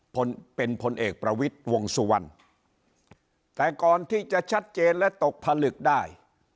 พลเป็นพลเอกประวิทย์วงสุวรรณแต่ก่อนที่จะชัดเจนและตกผลึกได้